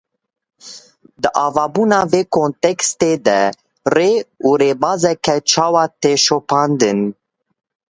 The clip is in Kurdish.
Di avabûna vê kontekstê de rê û rêbazeke çawa tê şopandin?